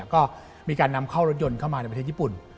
ก็มีการนำเข้ารถยนต์เข้ามาในประเทศญี่ปุ่น